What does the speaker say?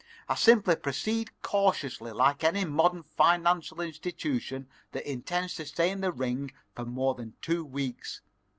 I simply proceed cautiously, like any modern financial institution that intends to stay in the ring more than two weeks.